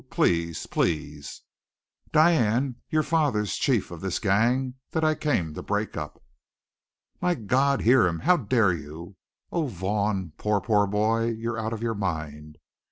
Please please " "Diane, your father's chief of this gang that I came to break up." "My God, hear him! How dare you Oh, Vaughn, poor, poor boy, you're out of your mind!